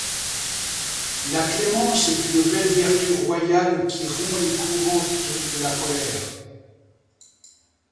La clémence est une belle vertu royale qui rompt les courantes de la colère.